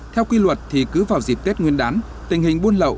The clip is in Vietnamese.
theo quy luật thì cứ vào dịp tết nguyên đán tình hình buôn lậu